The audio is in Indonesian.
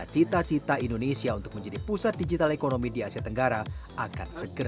sedang mencoba untuk menangani masalah ini sekarang